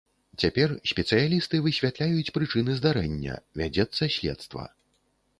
Цяпер спецыялісты высвятляюць прычыны здарэння, вядзецца следства.